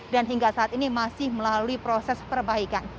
dan hingga saat ini masih melalui proses perbaikan